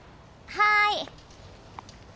はい。